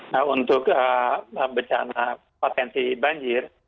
nah untuk bencana potensi banjir